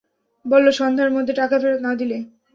বললো, সন্ধ্যার মধ্যে টাকা ফেরত না দিলে।